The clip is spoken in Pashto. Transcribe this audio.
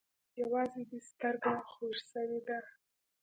يوازې دې سترگه خوږ سوې ده.